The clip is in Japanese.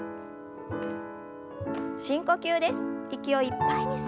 深呼吸です。